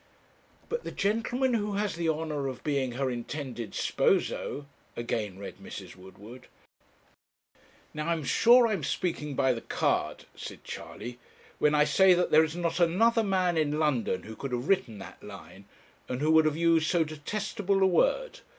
'But the gentleman who has the honour of being her intended sposo ' again read Mrs. Woodward. 'Now I'm sure I'm speaking by the card,' said Charley, 'when I say that there is not another man in London who could have written that line, and who would have used so detestable a word.